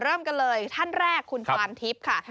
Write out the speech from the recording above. เริ่มกันเลยท่านแรกคุณฟานทิพย์ค่ะ